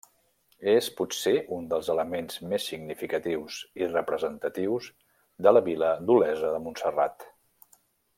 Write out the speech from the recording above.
És potser un dels elements més significatius i representatius de la vila d'Olesa de Montserrat.